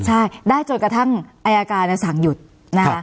ใช่ได้จนกระทั่งอายการสั่งหยุดนะคะ